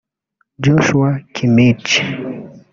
Josua Kimmich